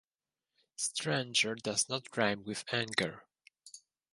Stranger does not rime with anger